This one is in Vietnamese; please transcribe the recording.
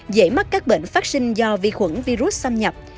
dễ mắc các bệnh phát sinh do vi khuẩn virus xâm nhập